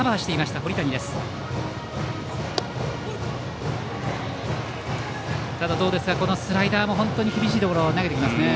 ただ、このスライダーも厳しいところに投げてきますね。